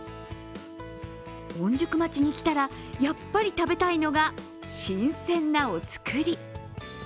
御宿町に来たら、やっぱり食べたいのが新鮮なおつくり。